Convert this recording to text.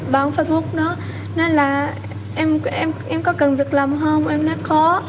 bán facebook nó là em có cần việc làm không em nói có